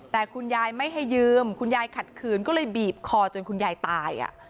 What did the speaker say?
แต่คุณยายไม่ให้ยืมคุณยายขัดขืนก็เลยบีบคอจนคุณยายตาย